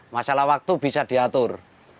masalah waktu bisa diatur